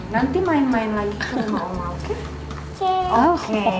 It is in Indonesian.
nanti main main lagi sama oma oke